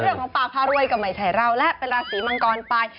เรื่องของปากพารวยก็ไม่ใช่เราแล้วเป็นราศีมังกรไป